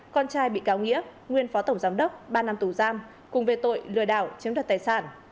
con trai bị cáo nghĩa nguyên phó tổng giám đốc ba năm tù giam cùng về tội lừa đảo chiếm đoạt tài sản